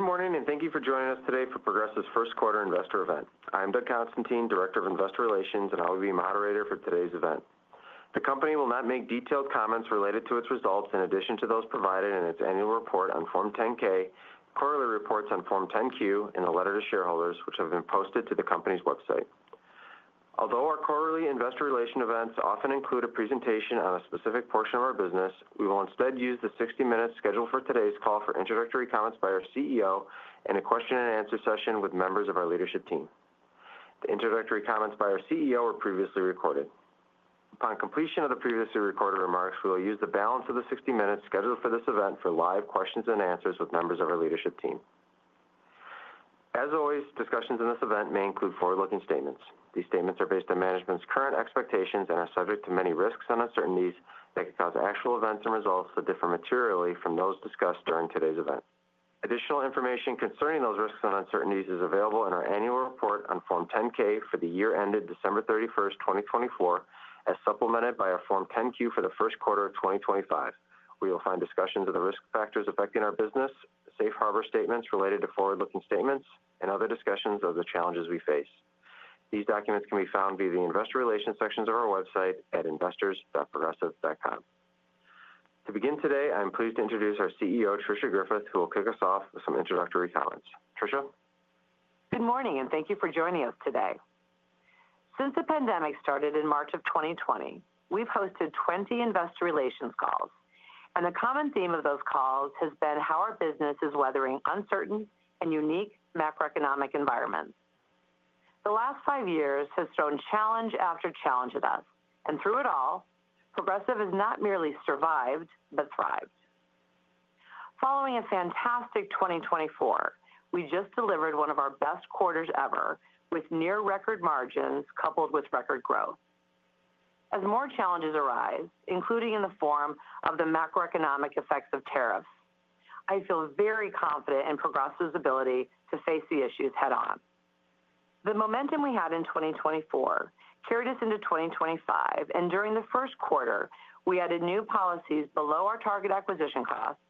Good morning and thank you for joining us today for Progressive's first quarter investor event. I am Doug Constantine, Director of Investor Relations, and I will be your moderator for today's event. The company will not make detailed comments related to its results in addition to those provided in its annual report on Form 10-K, quarterly reports on Form 10-Q, and a letter to shareholders, which have been posted to the company's website. Although our quarterly investor relation events often include a presentation on a specific portion of our business, we will instead use the 60 minutes scheduled for today's call for introductory comments by our CEO and a question-and-answer session with members of our leadership team. The introductory comments by our CEO were previously recorded. Upon completion of the previously recorded remarks, we will use the balance of the 60 minutes scheduled for this event for live questions and answers with members of our leadership team. As always, discussions in this event may include forward-looking statements. These statements are based on management's current expectations and are subject to many risks and uncertainties that can cause actual events and results to differ materially from those discussed during today's event. Additional information concerning those risks and uncertainties is available in our annual report on Form 10-K for the year ended December 31, 2024, as supplemented by our Form 10-Q for the first quarter of 2025, where you'll find discussions of the risk factors affecting our business, safe harbor statements related to forward-looking statements, and other discussions of the challenges we face. These documents can be found via the investor relations sections of our website at investors.progressive.com. To begin today, I'm pleased to introduce our CEO, Tricia Griffith, who will kick us off with some introductory comments. Tricia. Good morning and thank you for joining us today. Since the pandemic started in March of 2020, we've hosted 20 investor relations calls, and the common theme of those calls has been how our business is weathering uncertain and unique macroeconomic environments. The last five years have thrown challenge after challenge at us, and through it all, Progressive has not merely survived but thrived. Following a fantastic 2024, we just delivered one of our best quarters ever with near-record margins coupled with record growth. As more challenges arise, including in the form of the macroeconomic effects of tariffs, I feel very confident in Progressive's ability to face the issues head-on. The momentum we had in 2024 carried us into 2025, and during the first quarter, we added new policies below our target acquisition costs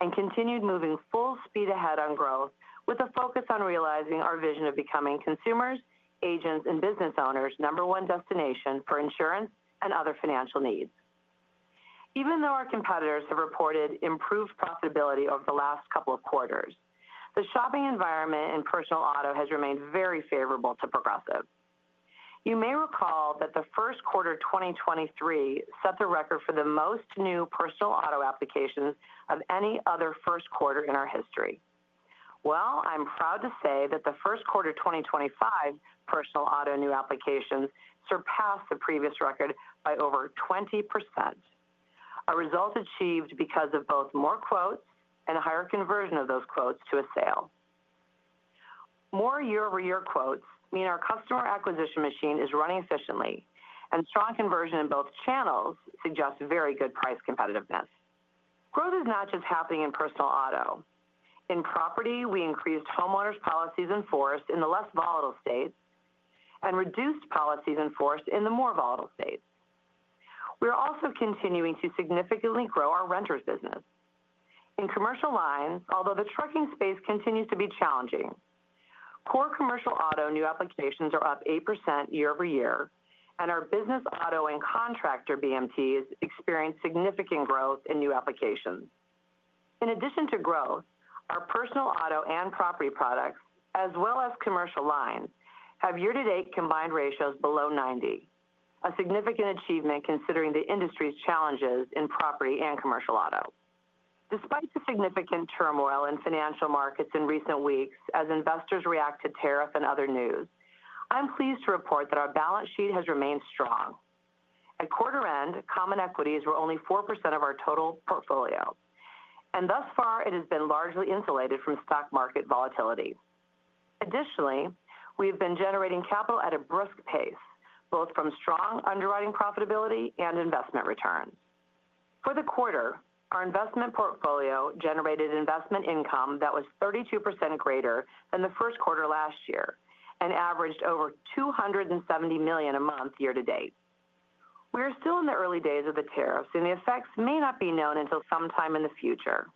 and continued moving full speed ahead on growth with a focus on realizing our vision of becoming consumers, agents, and business owners' number one destination for insurance and other financial needs. Even though our competitors have reported improved profitability over the last couple of quarters, the shopping environment in personal auto has remained very favorable to Progressive. You may recall that the first quarter of 2023 set the record for the most new personal auto applications of any other first quarter in our history. I am proud to say that the first quarter of 2025 personal auto new applications surpassed the previous record by over 20%, a result achieved because of both more quotes and a higher conversion of those quotes to a sale. More year-over-year quotes mean our customer acquisition machine is running efficiently, and strong conversion in both channels suggests very good price competitiveness. Growth is not just happening in personal auto. In property, we increased homeowners policies in force in the less volatile states and reduced policies in force in the more volatile states. We are also continuing to significantly grow our renters business. In commercial lines, although the trucking space continues to be challenging, core commercial auto new applications are up 8% year-over-year, and our business auto and contractor BMTs experienced significant growth in new applications. In addition to growth, our personal auto and property products, as well as commercial lines, have year-to-date combined ratios below 90%, a significant achievement considering the industry's challenges in property and commercial auto. Despite the significant turmoil in financial markets in recent weeks as investors react to tariffs and other news, I'm pleased to report that our balance sheet has remained strong. At quarter end, common equities were only 4% of our total portfolio, and thus far, it has been largely insulated from stock market volatility. Additionally, we have been generating capital at a brisk pace, both from strong underwriting profitability and investment returns. For the quarter, our investment portfolio generated investment income that was 32% greater than the first quarter last year and averaged over $270 million a month year-to-date. We are still in the early days of the tariffs, and the effects may not be known until sometime in the future.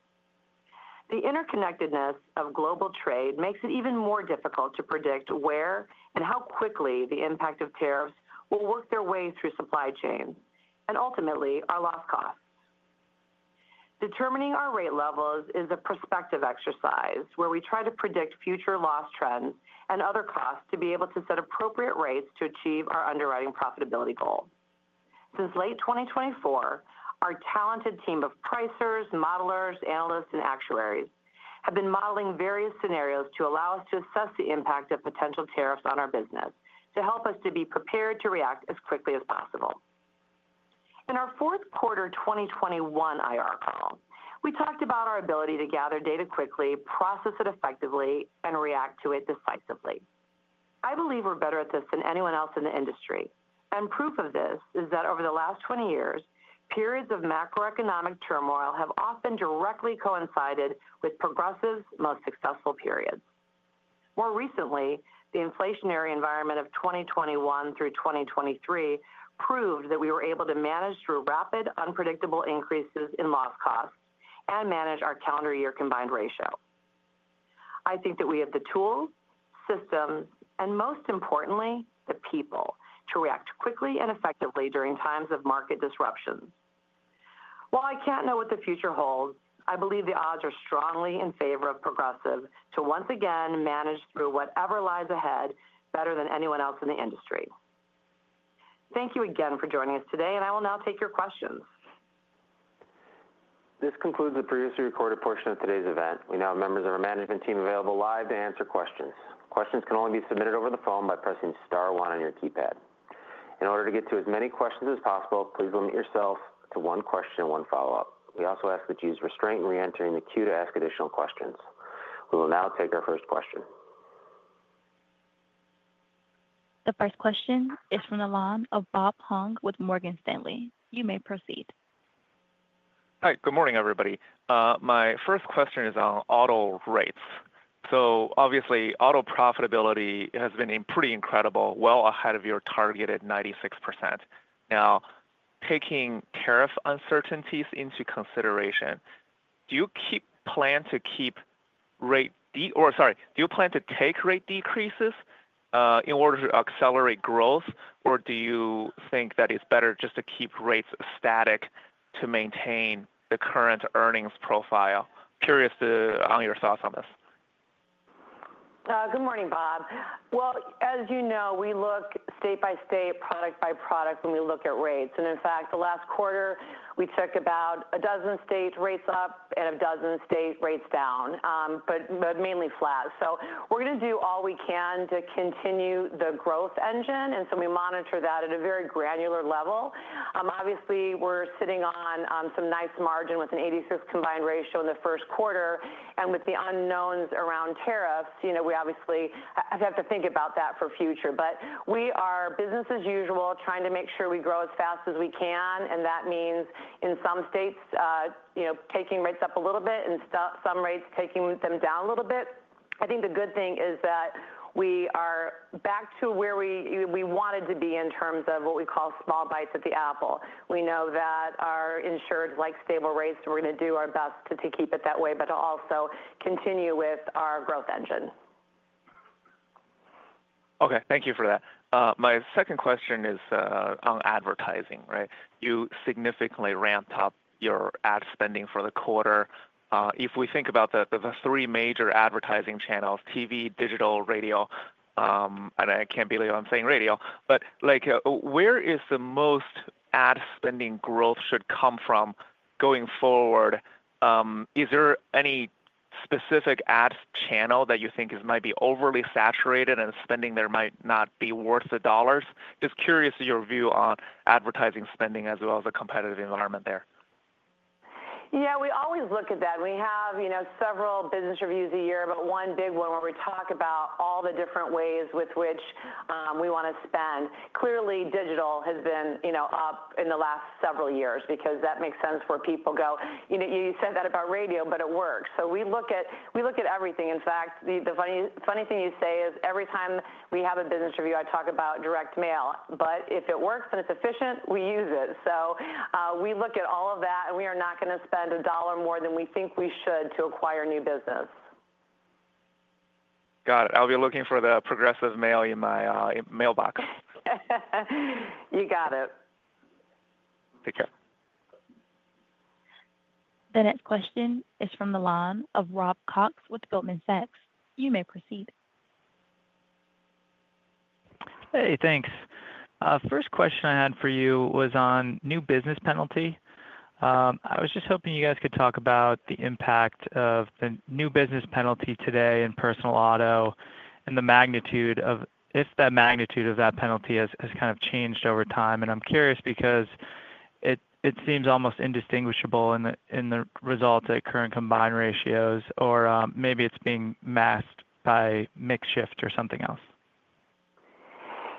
The interconnectedness of global trade makes it even more difficult to predict where and how quickly the impact of tariffs will work their way through supply chains and ultimately our loss costs. Determining our rate levels is a prospective exercise where we try to predict future loss trends and other costs to be able to set appropriate rates to achieve our underwriting profitability goal. Since late 2024, our talented team of pricers, modelers, analysts, and actuaries have been modeling various scenarios to allow us to assess the impact of potential tariffs on our business to help us to be prepared to react as quickly as possible. In our fourth quarter 2021 IR call, we talked about our ability to gather data quickly, process it effectively, and react to it decisively. I believe we're better at this than anyone else in the industry, and proof of this is that over the last 20 years, periods of macroeconomic turmoil have often directly coincided with Progressive's most successful periods. More recently, the inflationary environment of 2021 through 2023 proved that we were able to manage through rapid, unpredictable increases in loss costs and manage our calendar year combined ratio. I think that we have the tools, systems, and most importantly, the people to react quickly and effectively during times of market disruption. While I can't know what the future holds, I believe the odds are strongly in favor of Progressive to once again manage through whatever lies ahead better than anyone else in the industry. Thank you again for joining us today, and I will now take your questions. This concludes the previously recorded portion of today's event. We now have members of our management team available live to answer questions. Questions can only be submitted over the phone by pressing star one on your keypad. In order to get to as many questions as possible, please limit yourself to one question and one follow-up. We also ask that you use restraint in re-entering the queue to ask additional questions. We will now take our first question. The first question is from the line of Bob Huang with Morgan Stanley. You may proceed. Hi, good morning, everybody. My first question is on auto rates. Obviously, auto profitability has been pretty incredible, well ahead of your target at 96%. Now, taking tariff uncertainties into consideration, do you plan to keep rate or, sorry, do you plan to take rate decreases in order to accelerate growth, or do you think that it's better just to keep rates static to maintain the current earnings profile? Curious on your thoughts on this. Good morning, Bob. As you know, we look state by state, product by product when we look at rates. In fact, the last quarter, we took about a dozen states rates up and a dozen states rates down, but mainly flat. We are going to do all we can to continue the growth engine, and we monitor that at a very granular level. Obviously, we are sitting on some nice margin with an 86% combined ratio in the first quarter, and with the unknowns around tariffs, we obviously have to think about that for future. We are business as usual, trying to make sure we grow as fast as we can, and that means in some states taking rates up a little bit and some rates taking them down a little bit. I think the good thing is that we are back to where we wanted to be in terms of what we call small bites of the apple. We know that our insured likes stable rates, and we're going to do our best to keep it that way, but also continue with our growth engine. Okay, thank you for that. My second question is on advertising, right? You significantly ramped up your ad spending for the quarter. If we think about the three major advertising channels, TV, digital, radio, and I can't believe I'm saying radio, but where is the most ad spending growth should come from going forward? Is there any specific ad channel that you think might be overly saturated and spending there might not be worth the dollars? Just curious of your view on advertising spending as well as the competitive environment there. Yeah, we always look at that. We have several business reviews a year, but one big one where we talk about all the different ways with which we want to spend. Clearly, digital has been up in the last several years because that makes sense where people go, you said that about radio, but it works. We look at everything. In fact, the funny thing you say is every time we have a business review, I talk about direct mail, but if it works and it's efficient, we use it. We look at all of that, and we are not going to spend a dollar more than we think we should to acquire new business. Got it. I'll be looking for the Progressive mail in my mailbox. You got it. Take care. The next question is from the line of Rob Cox with Goldman Sachs. You may proceed. Hey, thanks. First question I had for you was on new business penalty. I was just hoping you guys could talk about the impact of the new business penalty today in personal auto and the magnitude of if that magnitude of that penalty has kind of changed over time. I'm curious because it seems almost indistinguishable in the result at current combined ratios, or maybe it's being masked by mix shift or something else.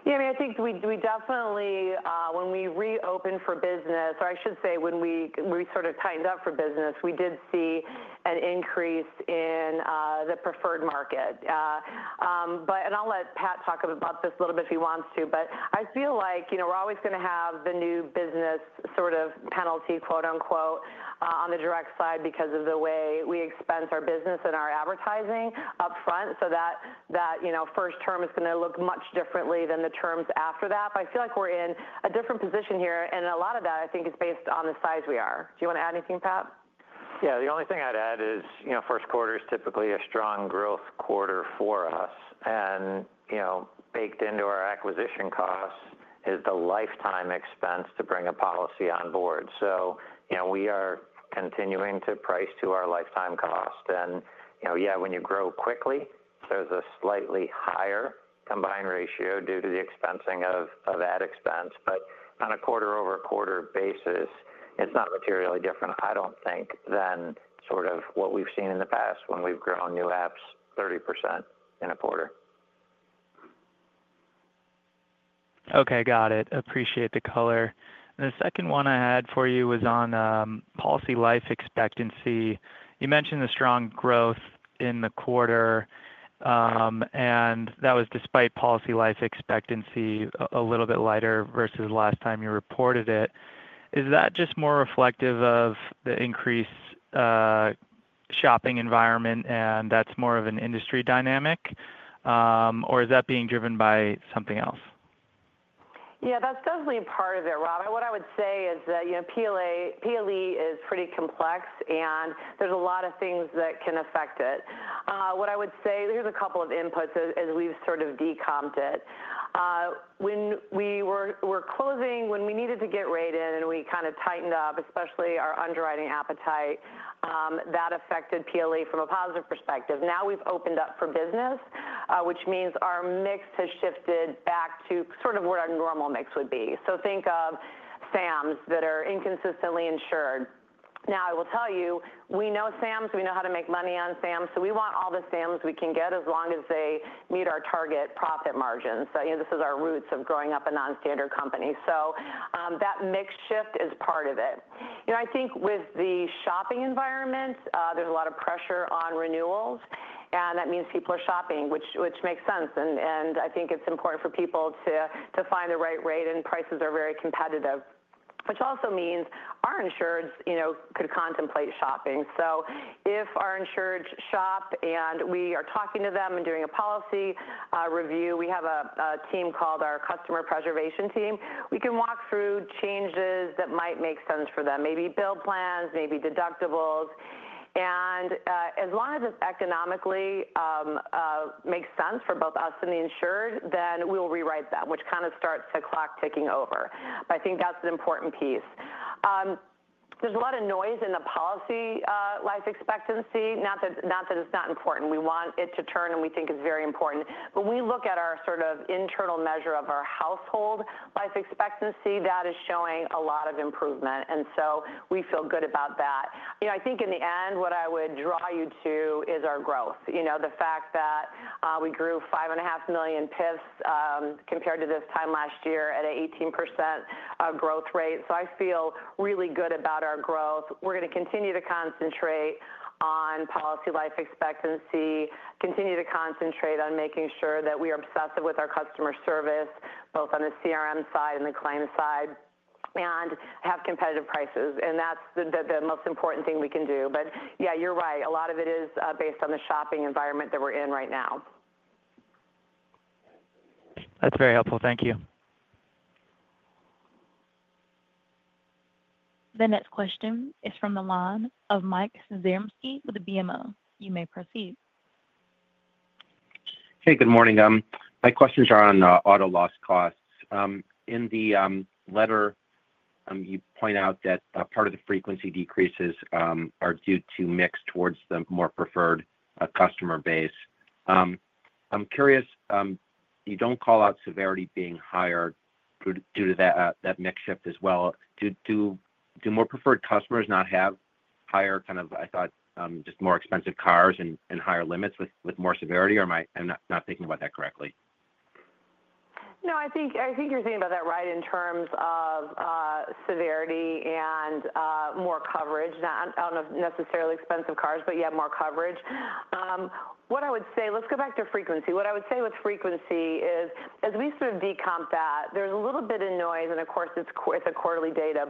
Yeah, I mean, I think we definitely, when we reopened for business, or I should say when we sort of tightened up for business, we did see an increase in the preferred market. I will let Pat talk about this a little bit if he wants to, but I feel like we are always going to have the new business sort of penalty, quote unquote, on the direct side because of the way we expense our business and our advertising upfront so that first term is going to look much differently than the terms after that. I feel like we are in a different position here, and a lot of that, I think, is based on the size we are. Do you want to add anything, Pat? Yeah, the only thing I'd add is first quarter is typically a strong growth quarter for us, and baked into our acquisition costs is the lifetime expense to bring a policy on board. We are continuing to price to our lifetime cost. Yeah, when you grow quickly, there's a slightly higher combined ratio due to the expensing of ad expense, but on a quarter-over-quarter basis, it's not materially different, I don't think, than sort of what we've seen in the past when we've grown new apps 30% in a quarter. Okay, got it. Appreciate the color. The second one I had for you was on policy life expectancy. You mentioned the strong growth in the quarter, and that was despite policy life expectancy a little bit lighter versus last time you reported it. Is that just more reflective of the increased shopping environment, and that's more of an industry dynamic, or is that being driven by something else? Yeah, that's definitely part of it, Rob. What I would say is that PLE is pretty complex, and there's a lot of things that can affect it. What I would say, here's a couple of inputs as we've sort of decomped it. When we were closing, when we needed to get rate in and we kind of tightened up, especially our underwriting appetite, that affected PLE from a positive perspective. Now we've opened up for business, which means our mix has shifted back to sort of what our normal mix would be. Think of Sam's that are inconsistently insured. I will tell you, we know Sam's, we know how to make money on Sam's, so we want all the Sam's we can get as long as they meet our target profit margins. This is our roots of growing up a non-standard company. That mix shift is part of it. I think with the shopping environment, there's a lot of pressure on renewals, and that means people are shopping, which makes sense. I think it's important for people to find the right rate, and prices are very competitive, which also means our insureds could contemplate shopping. If our insureds shop and we are talking to them and doing a policy review, we have a team called our customer preservation team. We can walk through changes that might make sense for them, maybe build plans, maybe deductibles. As long as it economically makes sense for both us and the insured, then we'll rewrite them, which kind of starts the clock ticking over. I think that's an important piece. There's a lot of noise in the policy life expectancy, not that it's not important. We want it to turn, and we think it's very important. When we look at our sort of internal measure of our household life expectancy, that is showing a lot of improvement, and we feel good about that. I think in the end, what I would draw you to is our growth, the fact that we grew $5.5 million PIFs compared to this time last year at an 18% growth rate. I feel really good about our growth. We're going to continue to concentrate on policy life expectancy, continue to concentrate on making sure that we are obsessive with our customer service, both on the CRM side and the claim side, and have competitive prices. That's the most important thing we can do. Yeah, you're right. A lot of it is based on the shopping environment that we're in right now. That's very helpful. Thank you. The next question is from the line of Mike Zaremski with BMO. You may proceed. Hey, good morning. My questions are on auto loss costs. In the letter, you point out that part of the frequency decreases are due to mix towards the more preferred customer base. I'm curious, you don't call out severity being higher due to that mix shift as well. Do more preferred customers not have higher kind of, I thought, just more expensive cars and higher limits with more severity, or am I not thinking about that correctly? No, I think you're thinking about that right in terms of severity and more coverage. Not necessarily expensive cars, but yeah, more coverage. What I would say, let's go back to frequency. What I would say with frequency is, as we sort of decomp that, there's a little bit of noise, and of course, it's a quarterly data.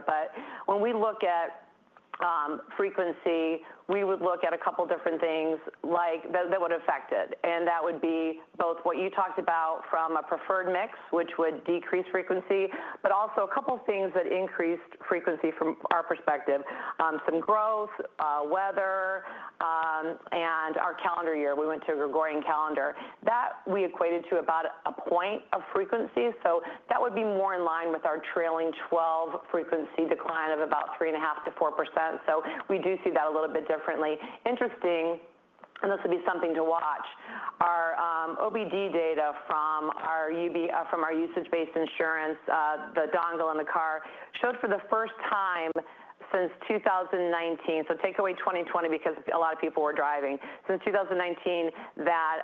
When we look at frequency, we would look at a couple of different things that would affect it. That would be both what you talked about from a preferred mix, which would decrease frequency, but also a couple of things that increased frequency from our perspective, some growth, weather, and our calendar year. We went to a Gregorian calendar. That we equated to about a point of frequency. That would be more in line with our trailing 12 frequency decline of about 3.5%-4%. We do see that a little bit differently. Interesting, and this will be something to watch. Our OBD data from our usage-based insurance, the dongle in the car, showed for the first time since 2019, so take away 2020 because a lot of people were driving. Since 2019, that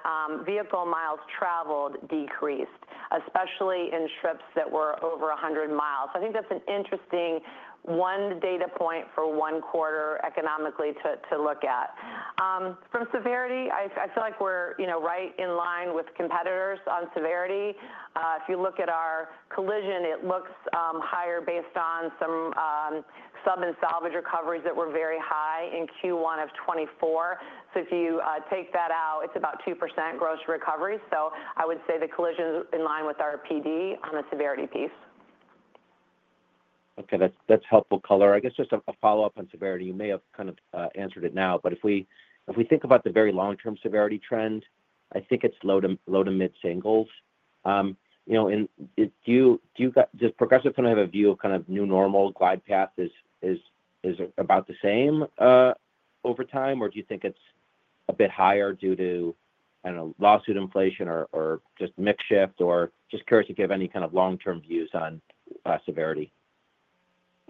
vehicle miles traveled decreased, especially in trips that were over 100 miles. I think that's an interesting one data point for one quarter economically to look at. From severity, I feel like we're right in line with competitors on severity. If you look at our collision, it looks higher based on some sub and salvage recoveries that were very high in Q1 of 2024. If you take that out, it's about 2% gross recovery. I would say the collision is in line with our PD on the severity piece. Okay, that's helpful color. I guess just a follow-up on severity. You may have kind of answered it now, but if we think about the very long-term severity trend, I think it's low to mid singles. Does Progressive kind of have a view of kind of new normal glide path is about the same over time, or do you think it's a bit higher due to, I don't know, lawsuit inflation or just makeshift? Or just curious if you have any kind of long-term views on severity.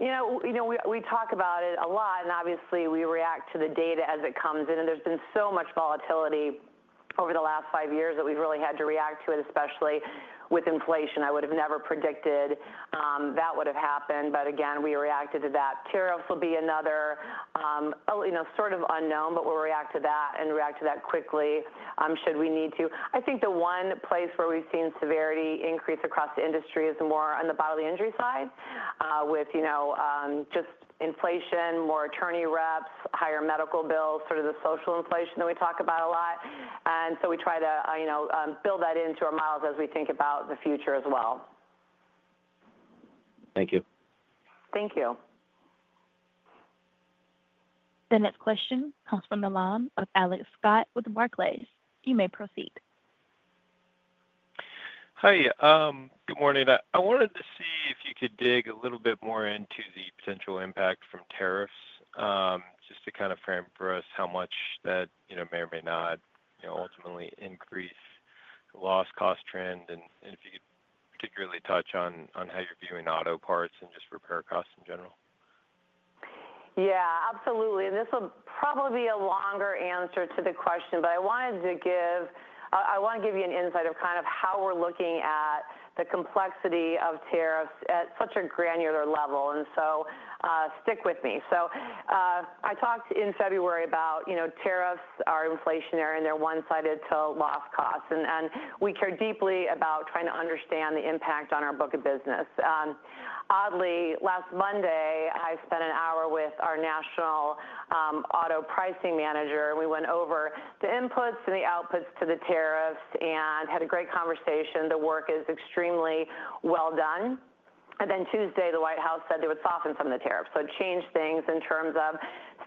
You know, we talk about it a lot, and obviously, we react to the data as it comes in. There's been so much volatility over the last five years that we've really had to react to it, especially with inflation. I would have never predicted that would have happened, but again, we reacted to that. Tariffs will be another sort of unknown, but we'll react to that and react to that quickly should we need to. I think the one place where we've seen severity increase across the industry is more on the bodily injury side with just inflation, more attorney reps, higher medical bills, sort of the social inflation that we talk about a lot. We try to build that into our miles as we think about the future as well. Thank you. Thank you. The next question comes from the line of Alex Scott with Barclays. You may proceed. Hi, good morning. I wanted to see if you could dig a little bit more into the potential impact from tariffs just to kind of frame for us how much that may or may not ultimately increase the loss cost trend, and if you could particularly touch on how you're viewing auto parts and just repair costs in general. Yeah, absolutely. This will probably be a longer answer to the question, but I wanted to give you an insight of kind of how we're looking at the complexity of tariffs at such a granular level. Stick with me. I talked in February about tariffs are inflationary and they're one-sided to loss costs, and we care deeply about trying to understand the impact on our book of business. Oddly, last Monday, I spent an hour with our national auto pricing manager, and we went over the inputs and the outputs to the tariffs and had a great conversation. The work is extremely well done. Tuesday, the White House said they would soften some of the tariffs. It changed things in terms of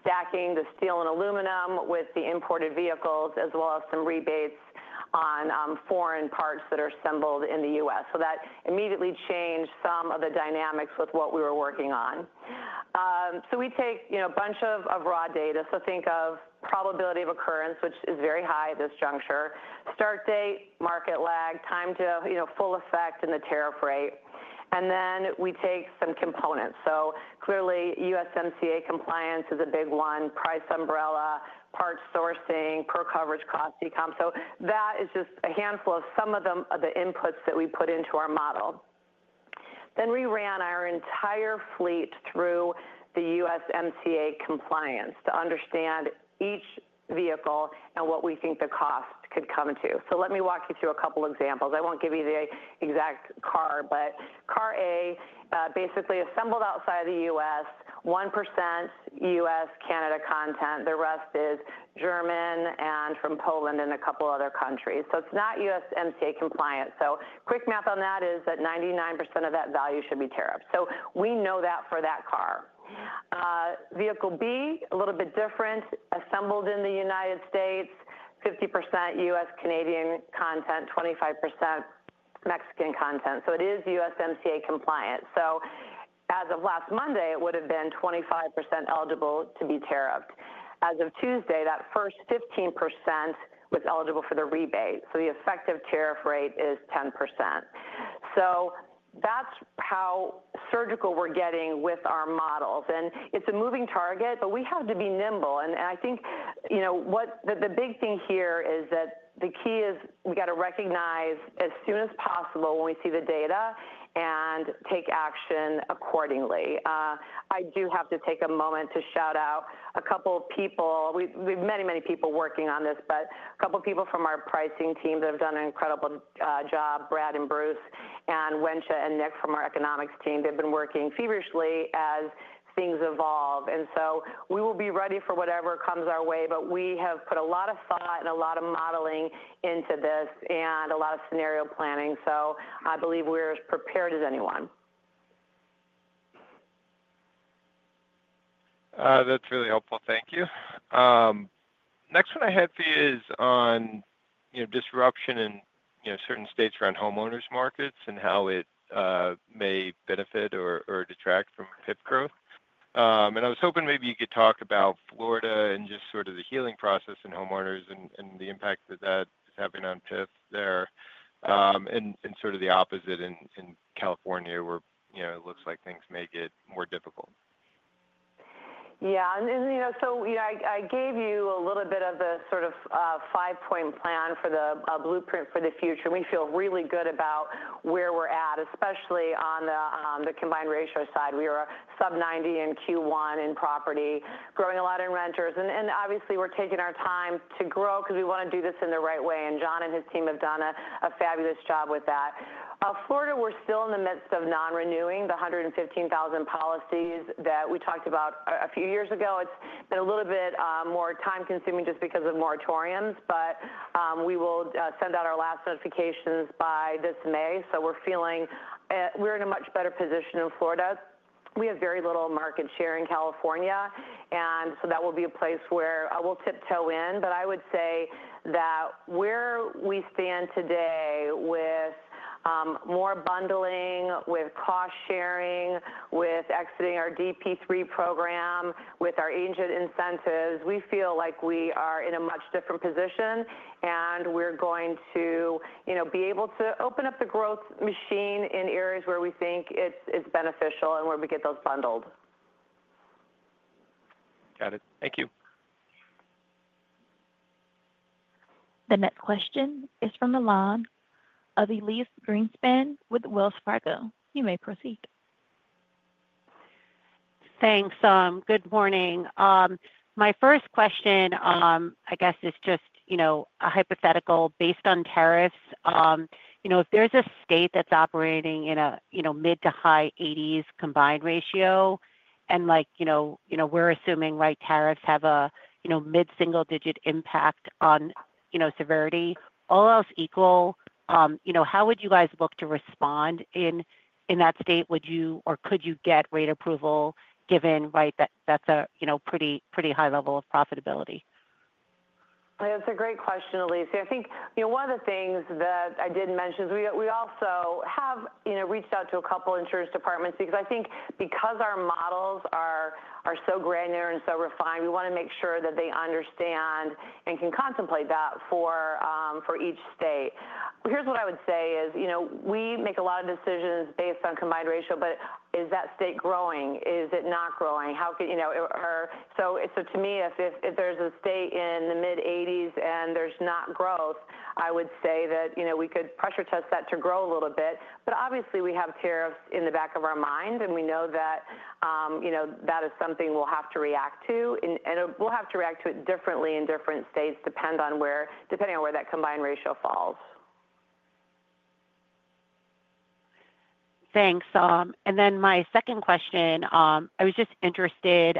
stacking the steel and aluminum with the imported vehicles, as well as some rebates on foreign parts that are assembled in the U.S. That immediately changed some of the dynamics with what we were working on. We take a bunch of raw data. Think of probability of occurrence, which is very high at this juncture, start date, market lag, time to full effect, and the tariff rate. We take some components. Clearly, USMCA compliance is a big one, price umbrella, part sourcing, per coverage cost decompt. That is just a handful of some of the inputs that we put into our model. We ran our entire fleet through the USMCA compliance to understand each vehicle and what we think the cost could come to. Let me walk you through a couple of examples. I won't give you the exact car, but Car A basically assembled outside of the U.S., 1% U.S., Canada content. The rest is German and from Poland and a couple of other countries. It is not USMCA compliant. Quick math on that is that 99% of that value should be tariffs. We know that for that car. Vehicle B, a little bit different, assembled in the United States, 50% U.S., Canadian content, 25% Mexican content. It is USMCA compliant. As of last Monday, it would have been 25% eligible to be tariffed. As of Tuesday, that first 15% was eligible for the rebate. The effective tariff rate is 10%. That is how surgical we're getting with our models. It is a moving target, but we have to be nimble. I think the big thing here is that the key is we got to recognize as soon as possible when we see the data and take action accordingly. I do have to take a moment to shout out a couple of people. We have many, many people working on this, but a couple of people from our pricing team that have done an incredible job, Brad and Bruce and Wencha and Nick from our economics team, they've been working feverishly as things evolve. We will be ready for whatever comes our way, but we have put a lot of thought and a lot of modeling into this and a lot of scenario planning. I believe we're as prepared as anyone. That's really helpful. Thank you. Next one I had for you is on disruption in certain states around homeowners markets and how it may benefit or detract from PIF growth. I was hoping maybe you could talk about Florida and just sort of the healing process in homeowners and the impact that that is having on PIF there and sort of the opposite in California where it looks like things may get more difficult. Yeah. I gave you a little bit of the sort of five-point plan for the blueprint for the future. We feel really good about where we're at, especially on the combined ratio side. We are sub-90 in Q1 in property, growing a lot in renters. Obviously, we're taking our time to grow because we want to do this in the right way. John and his team have done a fabulous job with that. Florida, we're still in the midst of non-renewing the 115,000 policies that we talked about a few years ago. It's been a little bit more time-consuming just because of moratoriums, but we will send out our last notifications by this May. We're feeling we're in a much better position in Florida. We have very little market share in California, and that will be a place where we'll tiptoe in. I would say that where we stand today with more bundling, with cost sharing, with exiting our DP3 program, with our agent incentives, we feel like we are in a much different position, and we're going to be able to open up the growth machine in areas where we think it's beneficial and where we get those bundled. Got it. Thank you. The next question is from the line of Elyse Greenspan with Wells Fargo. You may proceed. Thanks. Good morning. My first question, I guess, is just a hypothetical based on tariffs. If there's a state that's operating in a mid to high 80s combined ratio and we're assuming tariffs have a mid-single-digit impact on severity, all else equal, how would you guys look to respond in that state? Would you or could you get rate approval given that that's a pretty high level of profitability? That's a great question, Elyse. I think one of the things that I did mention is we also have reached out to a couple of insurance departments because I think because our models are so granular and so refined, we want to make sure that they understand and can contemplate that for each state. Here's what I would say is we make a lot of decisions based on combined ratio, but is that state growing? Is it not growing? To me, if there's a state in the mid-80s and there's not growth, I would say that we could pressure test that to grow a little bit. Obviously, we have tariffs in the back of our mind, and we know that that is something we'll have to react to. We'll have to react to it differently in different states, depending on where that combined ratio falls. Thanks. My second question, I was just interested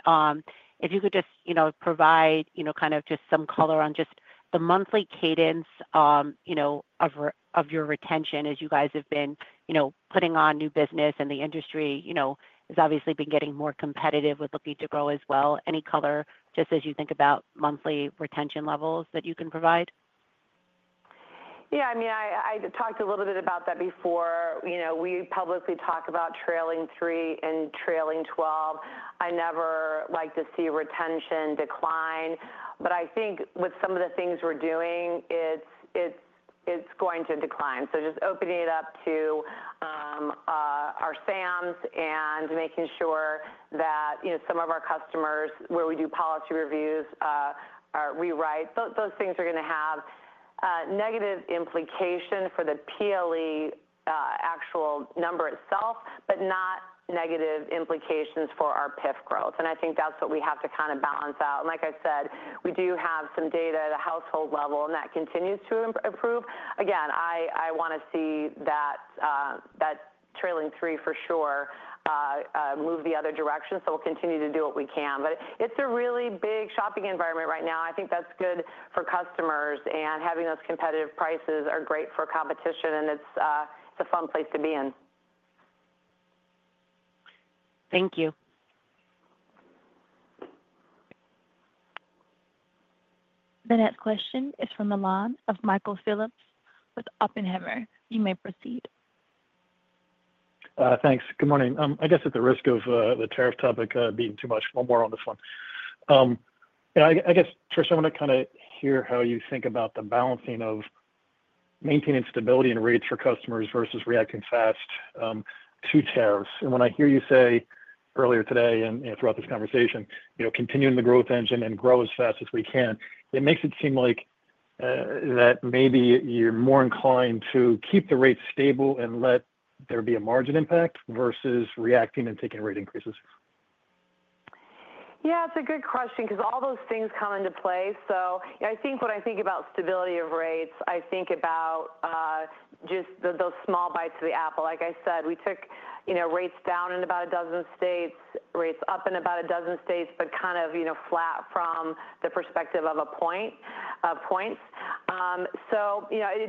if you could just provide kind of just some color on just the monthly cadence of your retention as you guys have been putting on new business, and the industry has obviously been getting more competitive with looking to grow as well. Any color just as you think about monthly retention levels that you can provide? Yeah. I mean, I talked a little bit about that before. We publicly talk about trailing 3 and trailing 12. I never like to see retention decline, but I think with some of the things we're doing, it's going to decline. Just opening it up to our SAMs and making sure that some of our customers where we do policy reviews are rewrite. Those things are going to have negative implications for the PLE actual number itself, but not negative implications for our PIF growth. I think that's what we have to kind of balance out. Like I said, we do have some data at a household level, and that continues to improve. Again, I want to see that trailing 3 for sure move the other direction. We'll continue to do what we can. It's a really big shopping environment right now. I think that's good for customers, and having those competitive prices are great for competition, and it's a fun place to be in. Thank you. The next question is from the line of Michael Phillips with Oppenheimer. You may proceed. Thanks. Good morning. I guess at the risk of the tariff topic being too much, one more on this one. I guess first, I want to kind of hear how you think about the balancing of maintaining stability and rates for customers versus reacting fast to tariffs. When I hear you say earlier today and throughout this conversation, continuing the growth engine and grow as fast as we can, it makes it seem like that maybe you're more inclined to keep the rates stable and let there be a margin impact versus reacting and taking rate increases. Yeah, it's a good question because all those things come into play. I think when I think about stability of rates, I think about just those small bites of the apple. Like I said, we took rates down in about a dozen states, rates up in about a dozen states, but kind of flat from the perspective of points.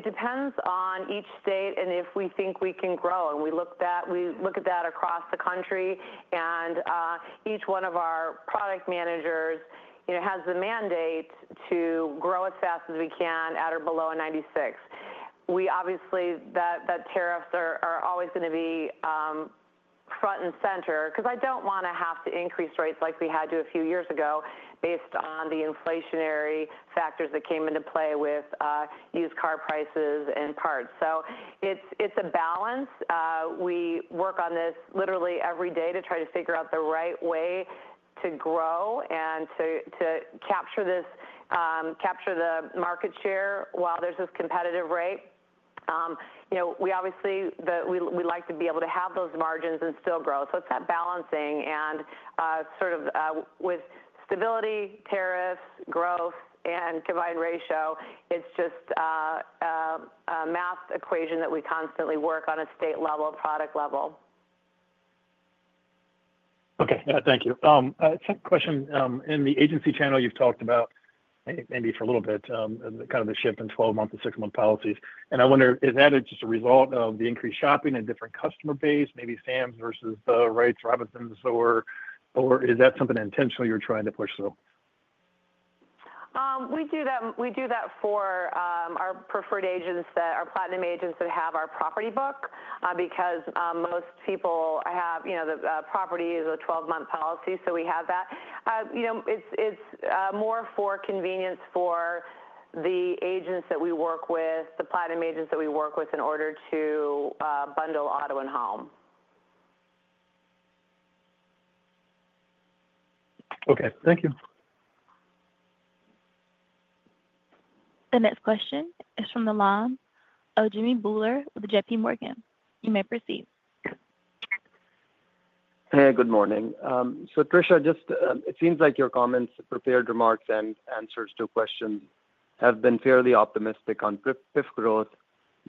It depends on each state and if we think we can grow. We look at that across the country, and each one of our product managers has the mandate to grow as fast as we can at or below a 96. Obviously, tariffs are always going to be front and center because I don't want to have to increase rates like we had to a few years ago based on the inflationary factors that came into play with used car prices and parts. It's a balance. We work on this literally every day to try to figure out the right way to grow and to capture the market share while there's this competitive rate. We obviously would like to be able to have those margins and still grow. It is that balancing and sort of with stability, tariffs, growth, and combined ratio, it's just a math equation that we constantly work on at state level, product level. Okay. Thank you. Second question. In the agency channel, you've talked about maybe for a little bit kind of the shift in 12-month to 6-month policies. I wonder, is that just a result of the increased shopping and different customer base, maybe SAMs versus the Wright's Robinsons, or is that something intentionally you're trying to push through? We do that for our preferred agents, our platinum agents that have our property book because most people have the property as a 12-month policy. We have that. It is more for convenience for the agents that we work with, the platinum agents that we work with in order to bundle auto and home. Okay. Thank you. The next question is from the line of Jimmy Bhullar with JPMorgan. You may proceed. Hey, good morning. Tricia, it seems like your comments, prepared remarks, and answers to questions have been fairly optimistic on PIF growth.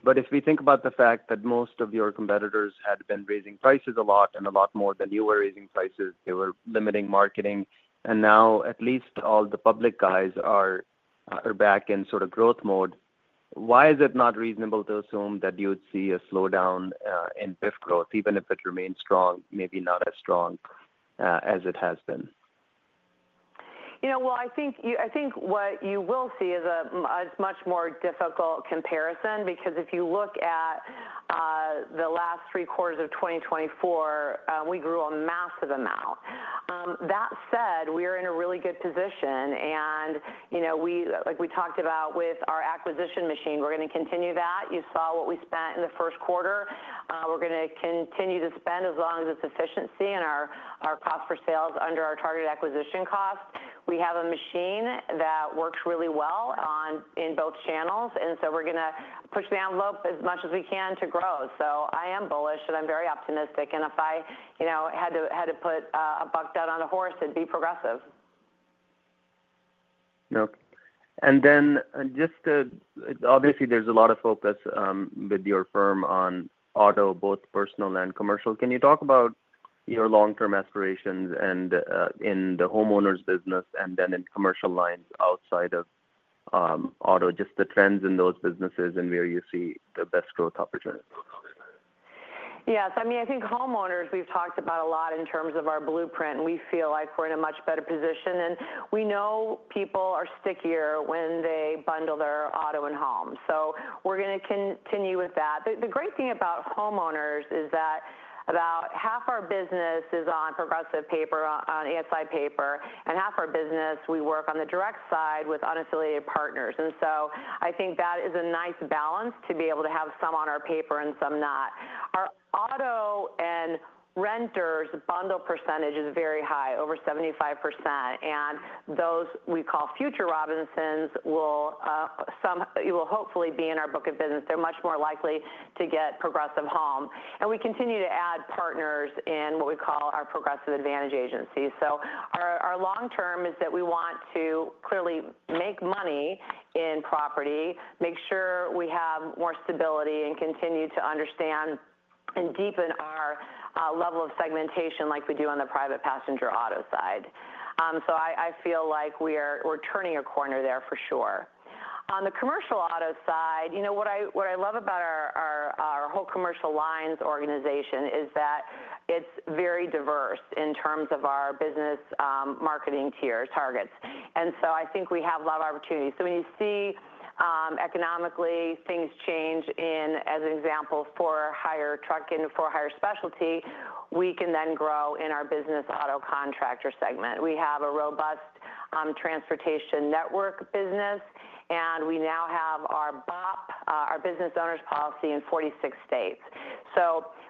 If we think about the fact that most of your competitors had been raising prices a lot and a lot more than you were raising prices, they were limiting marketing, and now at least all the public guys are back in sort of growth mode, why is it not reasonable to assume that you would see a slowdown in PIF growth, even if it remains strong, maybe not as strong as it has been? I think what you will see is a much more difficult comparison because if you look at the last three quarters of 2024, we grew a massive amount. That said, we are in a really good position. Like we talked about with our acquisition machine, we're going to continue that. You saw what we spent in the first quarter. We're going to continue to spend as long as it's efficiency and our cost per sales under our target acquisition cost. We have a machine that works really well in both channels, and we are going to push the envelope as much as we can to grow. I am bullish, and I'm very optimistic. If I had to put a buck down on a horse, it'd be Progressive. Obviously, there's a lot of focus with your firm on auto, both personal and commercial. Can you talk about your long-term aspirations in the homeowners business and then in commercial lines outside of auto, just the trends in those businesses and where you see the best growth opportunity? Yes. I mean, I think homeowners, we've talked about a lot in terms of our blueprint, and we feel like we're in a much better position. We know people are stickier when they bundle their auto and home. We are going to continue with that. The great thing about homeowners is that about half our business is on Progressive paper, on ASI paper, and half our business, we work on the direct side with unaffiliated partners. I think that is a nice balance to be able to have some on our paper and some not. Our auto and renters bundle percentage is very high, over 75%. Those we call future Robinsons will hopefully be in our book of business. They are much more likely to get Progressive Home. We continue to add partners in what we call our Progressive Advantage Agencies. Our long-term is that we want to clearly make money in property, make sure we have more stability, and continue to understand and deepen our level of segmentation like we do on the private passenger auto side. I feel like we're turning a corner there for sure. On the commercial auto side, what I love about our whole commercial lines organization is that it's very diverse in terms of our business marketing tier targets. I think we have a lot of opportunities. When you see economically things change in, as an example, for-hire trucking, for-hire specialty, we can then grow in our business auto contractor segment. We have a robust transportation network business, and we now have our BOP, our business owners policy, in 46 states.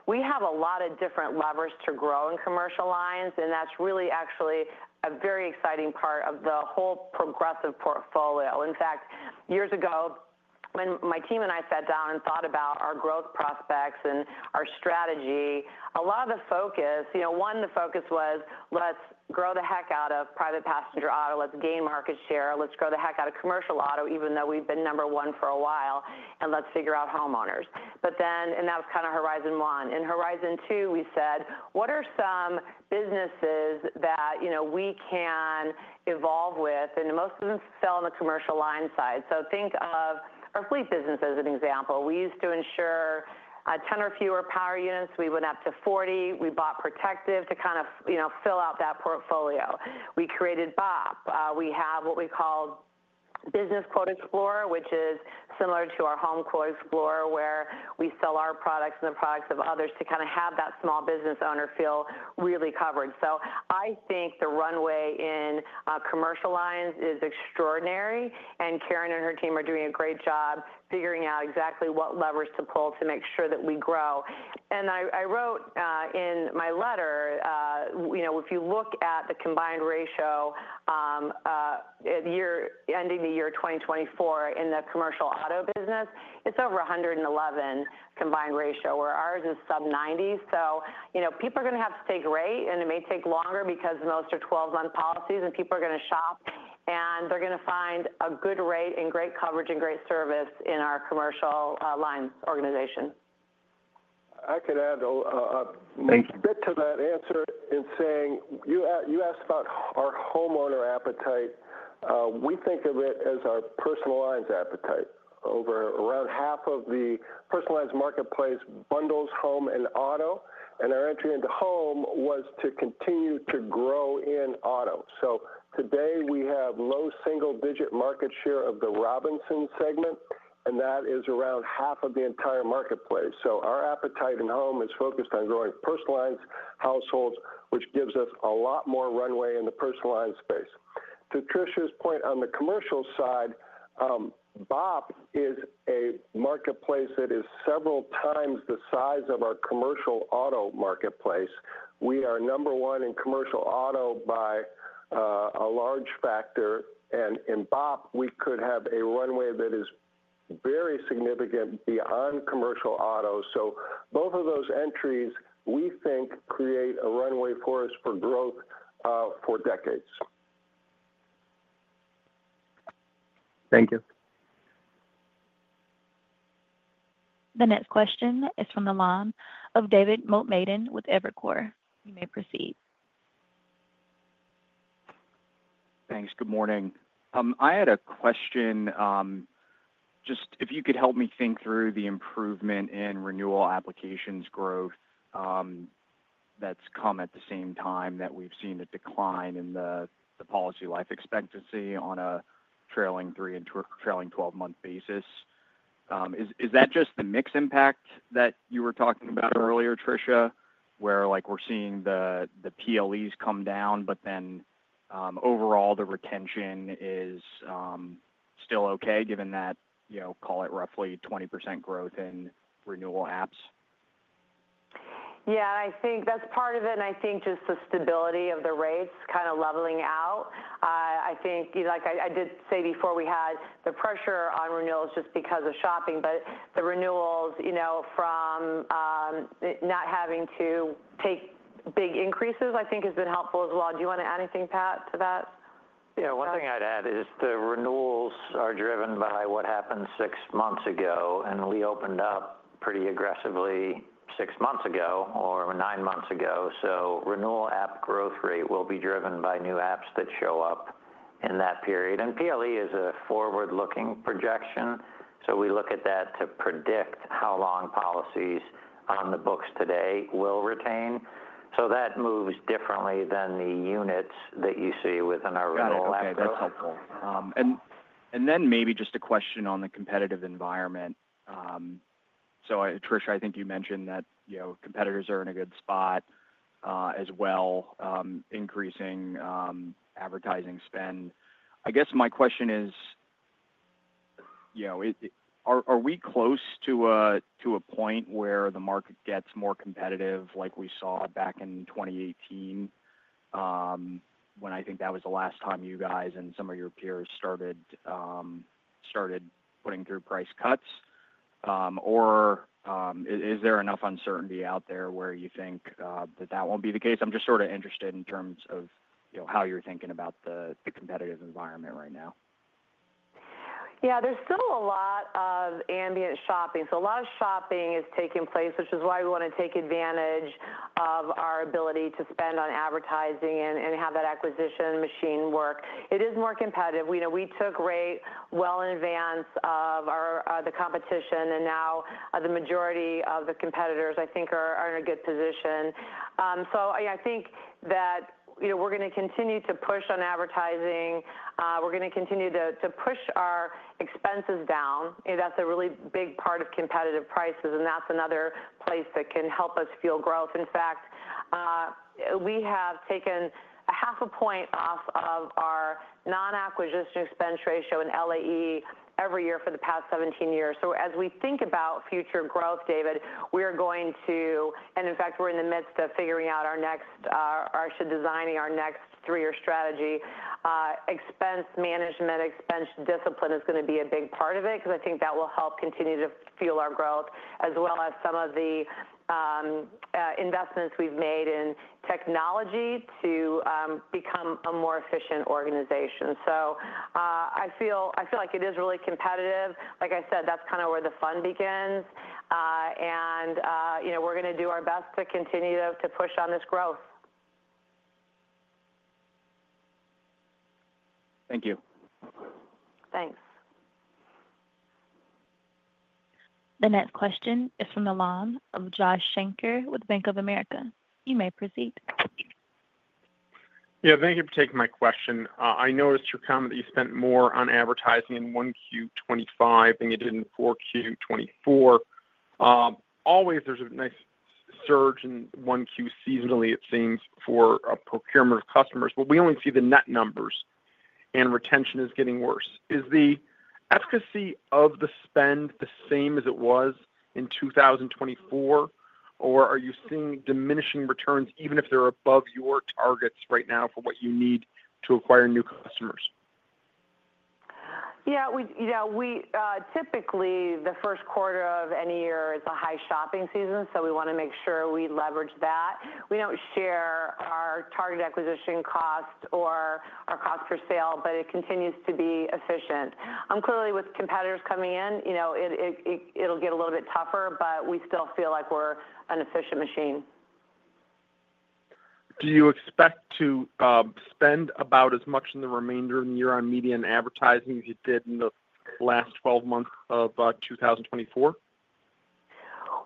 We have a lot of different levers to grow in commercial lines, and that's really actually a very exciting part of the whole Progressive portfolio. In fact, years ago, when my team and I sat down and thought about our growth prospects and our strategy, a lot of the focus, one, the focus was, "Let's grow the heck out of private passenger auto. Let's gain market share. Let's grow the heck out of commercial auto, even though we've been number one for a while, and let's figure out homeowners." That was kind of horizon one. In horizon two, we said, "What are some businesses that we can evolve with?" Most of them sell on the commercial line side. Think of our fleet business as an example. We used to insure 10 or fewer power units. We went up to 40. We bought Protective to kind of fill out that portfolio. We created BOP. We have what we call Business Quote Explorer, which is similar to our HomeQuote Explorer where we sell our products and the products of others to kind of have that small business owner feel really covered. I think the runway in commercial lines is extraordinary, and Karen and her team are doing a great job figuring out exactly what levers to pull to make sure that we grow. I wrote in my letter, if you look at the combined ratio ending the year 2024 in the commercial auto business, it's over 111 combined ratio, where ours is sub-90. People are going to have to take rate, and it may take longer because most are 12-month policies, and people are going to shop, and they're going to find a good rate and great coverage and great service in our commercial lines organization. I could add a bit to that answer in saying you asked about our homeowner appetite. We think of it as our personal lines appetite. Around half of the personal lines marketplace bundles home and auto, and our entry into home was to continue to grow in auto. Today, we have low single-digit market share of the Robinson segment, and that is around half of the entire marketplace. Our appetite in home is focused on growing personal lines households, which gives us a lot more runway in the personal lines space. To Tricia's point on the commercial side, BOP is a marketplace that is several times the size of our commercial auto marketplace. We are number one in commercial auto by a large factor, and in BOP, we could have a runway that is very significant beyond commercial auto. Both of those entries, we think, create a runway for us for growth for decades. Thank you. The next question is from the line of David Motemaden with Evercore. You may proceed. Thanks. Good morning. I had a question. Just if you could help me think through the improvement in renewal applications growth that's come at the same time that we've seen a decline in the policy life expectancy on a trailing 3 and trailing 12-month basis. Is that just the mix impact that you were talking about earlier, Tricia, where we're seeing the PLEs come down, but then overall, the retention is still okay given that, call it roughly 20% growth in renewal apps? Yeah. I think that's part of it. I think just the stability of the rates kind of leveling out. I think, like I did say before, we had the pressure on renewals just because of shopping, but the renewals from not having to take big increases, I think, has been helpful as well. Do you want to add anything, Pat, to that? Yeah. One thing I'd add is the renewals are driven by what happened six months ago, and we opened up pretty aggressively six months ago or nine months ago. Renewal app growth rate will be driven by new apps that show up in that period. PLE is a forward-looking projection. We look at that to predict how long policies on the books today will retain. That moves differently than the units that you see within our renewal app growth. Got it. Okay. That's helpful. Maybe just a question on the competitive environment. Tricia, I think you mentioned that competitors are in a good spot as well, increasing advertising spend. I guess my question is, are we close to a point where the market gets more competitive like we saw back in 2018 when I think that was the last time you guys and some of your peers started putting through price cuts? Or is there enough uncertainty out there where you think that that won't be the case? I'm just sort of interested in terms of how you're thinking about the competitive environment right now. Yeah. There's still a lot of ambient shopping. A lot of shopping is taking place, which is why we want to take advantage of our ability to spend on advertising and have that acquisition machine work. It is more competitive. We took rate well in advance of the competition, and now the majority of the competitors, I think, are in a good position. I think that we're going to continue to push on advertising. We're going to continue to push our expenses down. That's a really big part of competitive prices, and that's another place that can help us fuel growth. In fact, we have taken half a point off of our non-acquisition expense ratio in LAE every year for the past 17 years. As we think about future growth, David, we are going to, and in fact, we're in the midst of figuring out our next or actually designing our next three-year strategy. Expense management, expense discipline is going to be a big part of it because I think that will help continue to fuel our growth, as well as some of the investments we've made in technology to become a more efficient organization. I feel like it is really competitive. Like I said, that's kind of where the fun begins, and we're going to do our best to continue to push on this growth. Thank you. Thanks. The next question is from the line of Josh Shanker with Bank of America. You may proceed. Yeah. Thank you for taking my question. I noticed your comment that you spent more on advertising in 1Q 2025 than you did in 4Q 2024. Always, there's a nice surge in 1Q seasonally, it seems, for procurement customers, but we only see the net numbers, and retention is getting worse. Is the efficacy of the spend the same as it was in 2024, or are you seeing diminishing returns even if they're above your targets right now for what you need to acquire new customers? Yeah. Typically, the first quarter of any year is a high shopping season, so we want to make sure we leverage that. We do not share our target acquisition cost or our cost per sale, but it continues to be efficient. Clearly, with competitors coming in, it will get a little bit tougher, but we still feel like we are an efficient machine. Do you expect to spend about as much in the remainder of the year on media and advertising as you did in the last 12 months of 2024?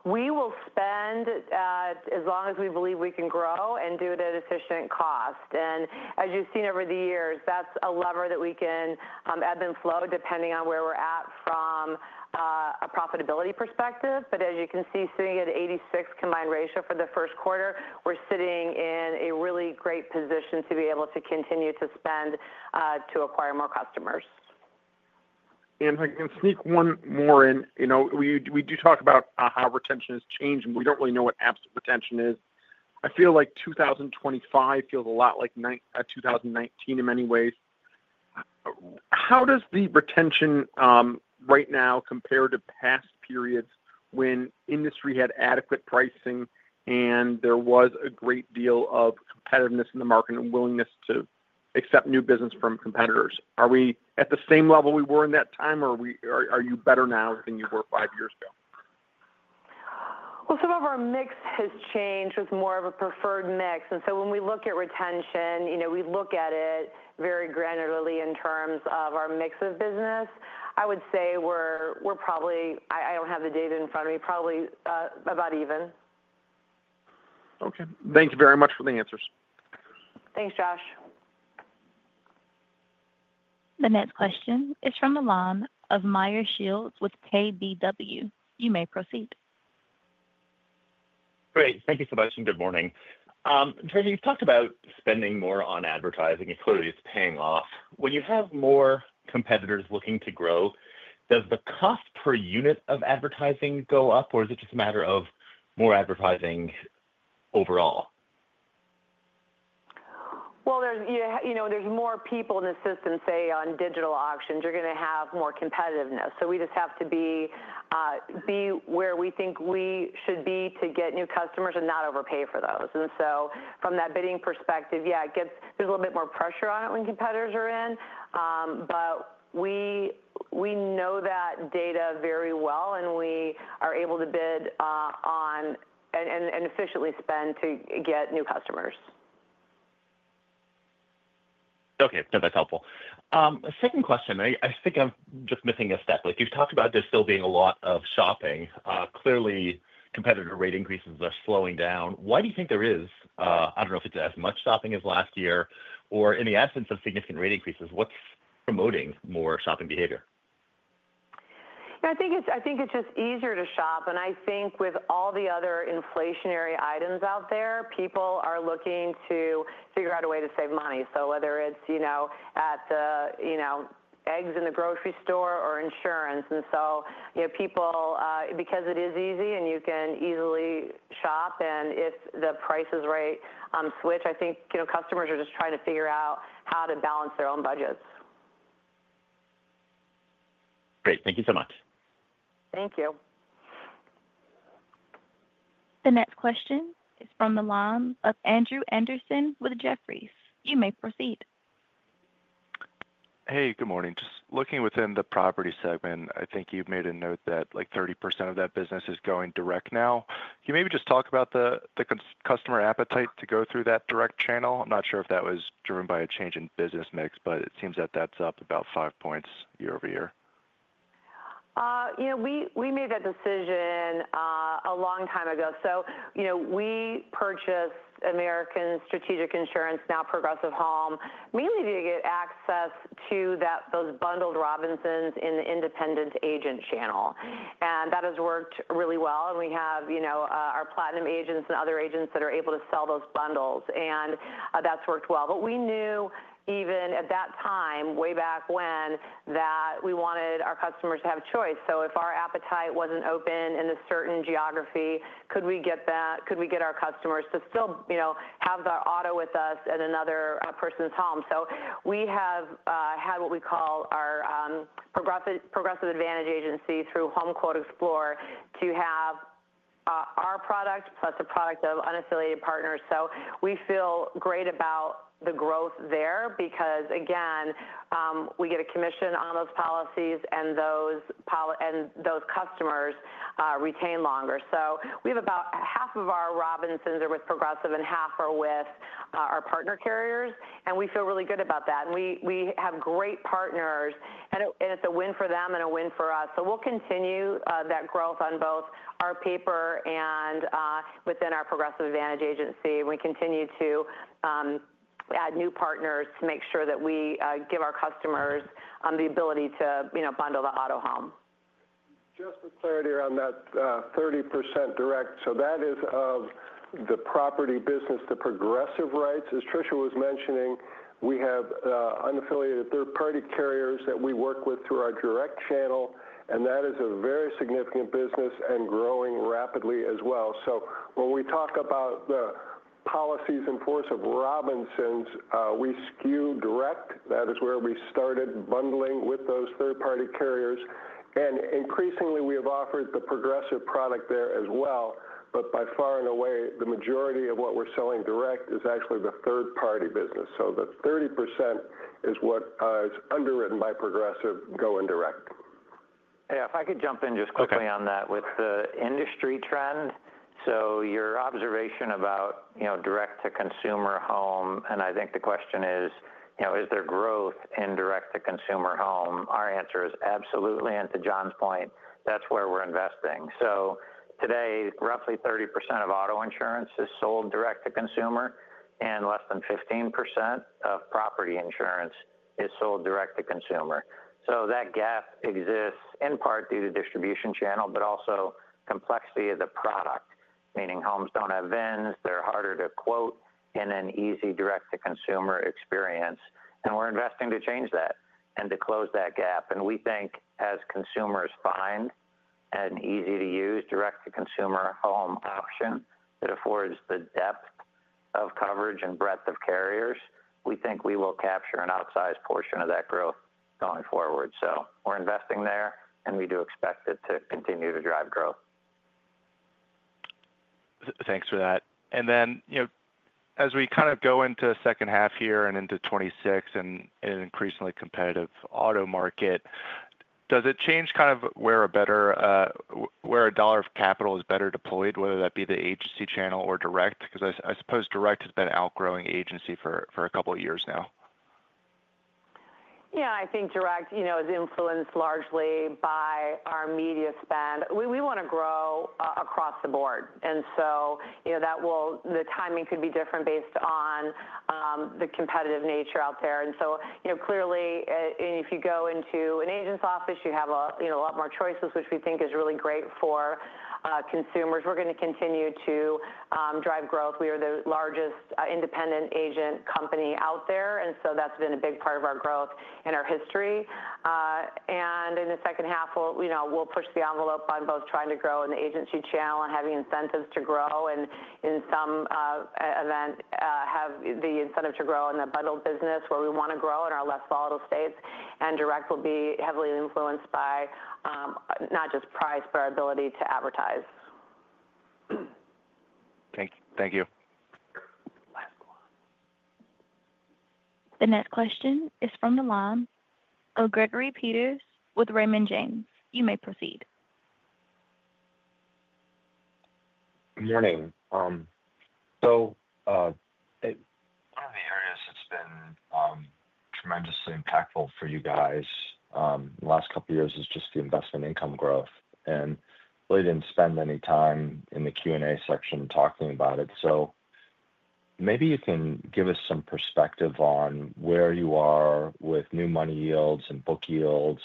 We will spend as long as we believe we can grow and do it at efficient cost. As you have seen over the years, that is a lever that we can ebb and flow depending on where we are at from a profitability perspective. As you can see, sitting at 86% combined ratio for the first quarter, we are sitting in a really great position to be able to continue to spend to acquire more customers. If I can sneak one more in, we do talk about how retention has changed, and we do not really know what absolute retention is. I feel like 2025 feels a lot like 2019 in many ways. How does the retention right now compare to past periods when industry had adequate pricing and there was a great deal of competitiveness in the market and willingness to accept new business from competitors? Are we at the same level we were in that time, or are you better now than you were five years ago? Some of our mix has changed. It's more of a preferred mix. And so when we look at retention, we look at it very granularly in terms of our mix of business. I would say we're probably—I don't have the data in front of me—probably about even. Okay. Thank you very much for the answers. Thanks, Josh. The next question is from the line of Meyer Shields with KBW. You may proceed. Great. Thank you so much, and good morning. Tricia, you've talked about spending more on advertising. It clearly is paying off. When you have more competitors looking to grow, does the cost per unit of advertising go up, or is it just a matter of more advertising overall? There are more people in the system, say, on digital auctions. You are going to have more competitiveness. We just have to be where we think we should be to get new customers and not overpay for those. From that bidding perspective, yeah, there is a little bit more pressure on it when competitors are in. We know that data very well, and we are able to bid on and efficiently spend to get new customers. Okay. No, that's helpful. Second question. I think I'm just missing a step. You've talked about there still being a lot of shopping. Clearly, competitor rate increases are slowing down. Why do you think there is—I don't know if it's as much shopping as last year—or in the absence of significant rate increases, what's promoting more shopping behavior? Yeah. I think it's just easier to shop. I think with all the other inflationary items out there, people are looking to figure out a way to save money. Whether it's at the eggs in the grocery store or insurance. People, because it is easy and you can easily shop, and if the prices rate switch, I think customers are just trying to figure out how to balance their own budgets. Great. Thank you so much. Thank you. The next question is from the line of Andrew Andersen with Jefferies. You may proceed. Hey, good morning. Just looking within the property segment, I think you've made a note that 30% of that business is going direct now. Can you maybe just talk about the customer appetite to go through that direct channel? I'm not sure if that was driven by a change in business mix, but it seems that that's up about five points year-over-year. We made that decision a long time ago. We purchased American Strategic Insurance, now Progressive Home, mainly to get access to those bundled Robinsons in the independent agent channel. That has worked really well. We have our platinum agents and other agents that are able to sell those bundles, and that's worked well. We knew even at that time, way back when, that we wanted our customers to have choice. If our appetite was not open in a certain geography, could we get our customers to still have their auto with us at another person's home? We have had what we call our Progressive Advantage agency through HomeQuote Explorer to have our product plus a product of unaffiliated partners. We feel great about the growth there because, again, we get a commission on those policies, and those customers retain longer. We have about half of our Robinsons are with Progressive and half are with our partner carriers, and we feel really good about that. We have great partners, and it's a win for them and a win for us. We'll continue that growth on both our paper and within our Progressive Advantage agency. We continue to add new partners to make sure that we give our customers the ability to bundle the auto home. Just for clarity around that 30% direct, that is of the property business Progressive writes. As Tricia was mentioning, we have unaffiliated third-party carriers that we work with through our direct channel, and that is a very significant business and growing rapidly as well. When we talk about the policies in force of Robinsons, we skew direct. That is where we started bundling with those third-party carriers. Increasingly, we have offered the Progressive product there as well. By far and away, the majority of what we're selling direct is actually the third-party business. The 30% is what is underwritten by Progressive going direct. Yeah. If I could jump in just quickly on that with the industry trend. Your observation about direct-to-consumer home, and I think the question is, is there growth in direct-to-consumer home? Our answer is absolutely. To John's point, that's where we're investing. Today, roughly 30% of auto insurance is sold direct-to-consumer, and less than 15% of property insurance is sold direct-to-consumer. That gap exists in part due to distribution channel, but also complexity of the product, meaning homes do not have VINs. They are harder to quote in an easy direct-to-consumer experience. We are investing to change that and to close that gap. We think as consumers find an easy-to-use direct-to-consumer home option that affords the depth of coverage and breadth of carriers, we think we will capture an outsized portion of that growth going forward. We're investing there, and we do expect it to continue to drive growth. Thanks for that. As we kind of go into the second half here and into 2026 and an increasingly competitive auto market, does it change kind of where a dollar of capital is better deployed, whether that be the agency channel or direct? I suppose direct has been outgrowing agency for a couple of years now. Yeah. I think direct is influenced largely by our media spend. We want to grow across the board. The timing could be different based on the competitive nature out there. Clearly, if you go into an agent's office, you have a lot more choices, which we think is really great for consumers. We're going to continue to drive growth. We are the largest independent agent company out there, and that's been a big part of our growth and our history. In the second half, we'll push the envelope on both trying to grow in the agency channel and having incentives to grow, and in some event, have the incentive to grow in the bundled business where we want to grow in our less volatile states. Direct will be heavily influenced by not just price, but our ability to advertise. Thank you. The next question is from the line of Gregory Peters with Raymond James. You may proceed. Good morning. It has been tremendously impactful for you guys in the last couple of years, just the investment income growth. We did not spend any time in the Q&A section talking about it. Maybe you can give us some perspective on where you are with new money yields and book yields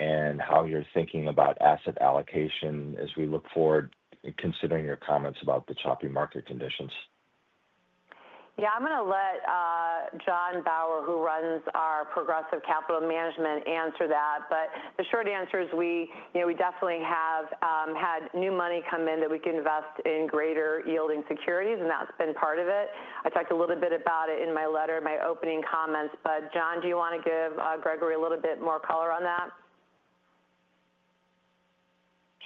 and how you are thinking about asset allocation as we look forward, considering your comments about the choppy market conditions. Yeah. I'm going to let John Bauer, who runs our Progressive Capital Management, answer that. The short answer is we definitely have had new money come in that we can invest in greater yielding securities, and that's been part of it. I talked a little bit about it in my letter, my opening comments. John, do you want to give Gregory a little bit more color on that?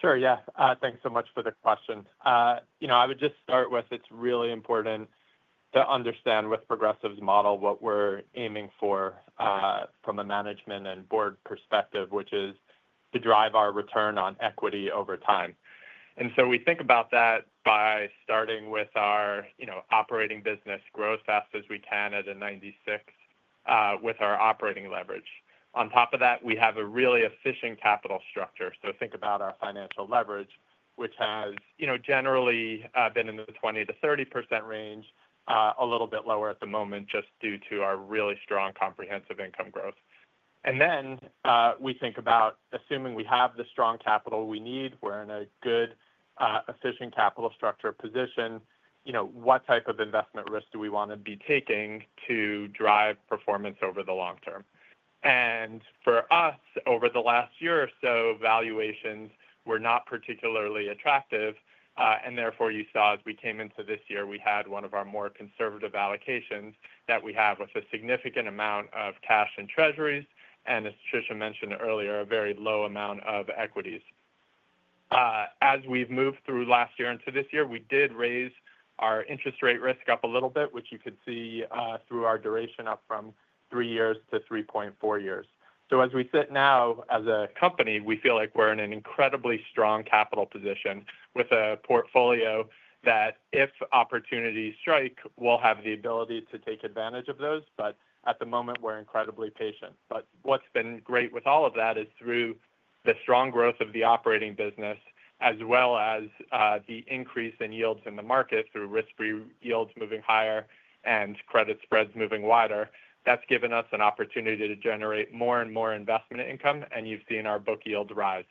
Sure. Yeah. Thanks so much for the question. I would just start with it's really important to understand with Progressive's model what we're aiming for from a management and board perspective, which is to drive our return on equity over time. We think about that by starting with our operating business grow as fast as we can at a 96 with our operating leverage. On top of that, we have a really efficient capital structure. Think about our financial leverage, which has generally been in the 20-30% range, a little bit lower at the moment just due to our really strong comprehensive income growth. We think about assuming we have the strong capital we need. We're in a good efficient capital structure position. What type of investment risk do we want to be taking to drive performance over the long term? For us, over the last year or so, valuations were not particularly attractive. Therefore, you saw as we came into this year, we had one of our more conservative allocations that we have with a significant amount of cash and treasuries. As Tricia mentioned earlier, a very low amount of equities. As we've moved through last year into this year, we did raise our interest rate risk up a little bit, which you could see through our duration up from three years to 3.4 years. As we sit now as a company, we feel like we're in an incredibly strong capital position with a portfolio that if opportunities strike, we'll have the ability to take advantage of those. At the moment, we're incredibly patient. What's been great with all of that is through the strong growth of the operating business as well as the increase in yields in the market through risk-free yields moving higher and credit spreads moving wider. That's given us an opportunity to generate more and more investment income, and you've seen our book yield rise.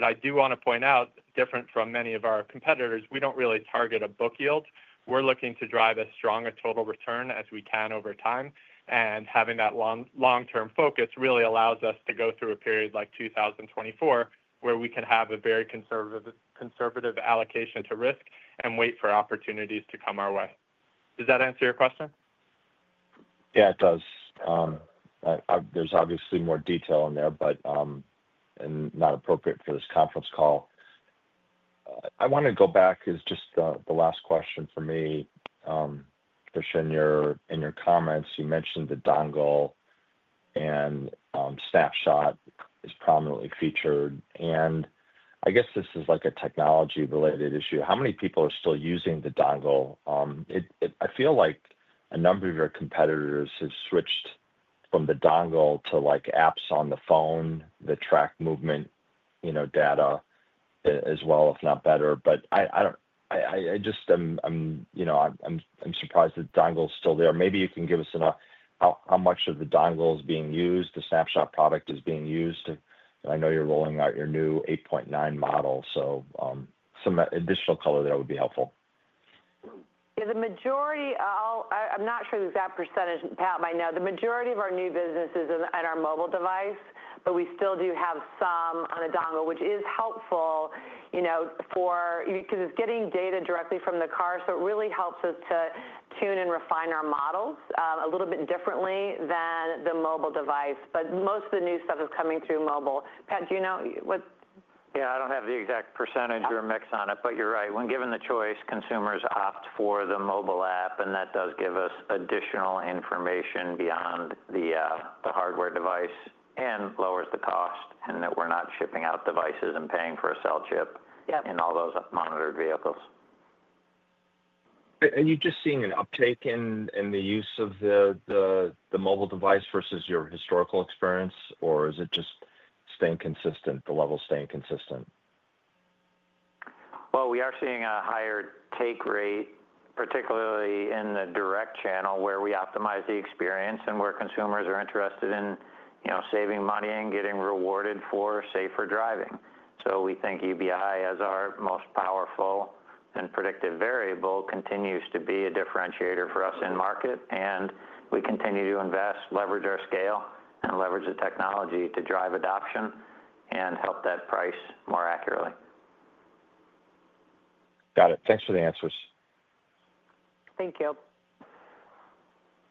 I do want to point out, different from many of our competitors, we don't really target a book yield. We're looking to drive as strong a total return as we can over time. Having that long-term focus really allows us to go through a period like 2024 where we can have a very conservative allocation to risk and wait for opportunities to come our way. Does that answer your question? Yeah, it does. There's obviously more detail in there, but not appropriate for this conference call. I want to go back. It's just the last question for me. Tricia, in your comments, you mentioned the dongle and Snapshot is prominently featured. I guess this is like a technology-related issue. How many people are still using the dongle? I feel like a number of your competitors have switched from the dongle to apps on the phone that track movement data as well, if not better. I just am surprised that the dongle is still there. Maybe you can give us how much of the dongle is being used, the Snapshot product is being used. I know you're rolling out your new 8.9 model. Some additional color there would be helpful. Yeah. I'm not sure the exact percentage. Pat might know. The majority of our new business is in our mobile device, but we still do have some on a dongle, which is helpful for because it's getting data directly from the car. So it really helps us to tune and refine our models a little bit differently than the mobile device. But most of the new stuff is coming through mobile. Pat, do you know what? Yeah. I do not have the exact percentage or mix on it, but you are right. When given the choice, consumers opt for the mobile app, and that does give us additional information beyond the hardware device and lowers the cost in that we are not shipping out devices and paying for a cell chip in all those monitored vehicles. Are you just seeing an uptake in the use of the mobile device versus your historical experience, or is it just staying consistent, the level staying consistent? We are seeing a higher take rate, particularly in the direct channel where we optimize the experience and where consumers are interested in saving money and getting rewarded for safer driving. We think UBI, as our most powerful and predictive variable, continues to be a differentiator for us in market. We continue to invest, leverage our scale, and leverage the technology to drive adoption and help that price more accurately. Got it. Thanks for the answers. Thank you.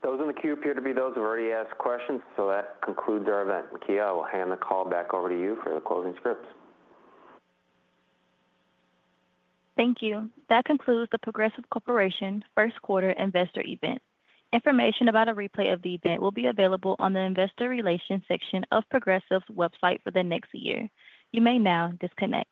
Those in the queue appear to be those who've already asked questions. That concludes our event. Kia, I will hand the call back over to you for the closing scripts. Thank you. That concludes the Progressive Corporation First Quarter Investor Event. Information about a replay of the event will be available on the Investor Relations section of Progressive's website for the next year. You may now disconnect.